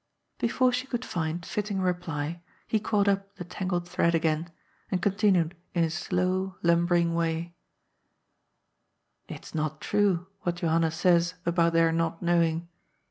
Before she could find fitting reply, he caught up the tangled thread again, and continued in his slow, lumbering way: " It's not true, what Johanna says about their not know ing.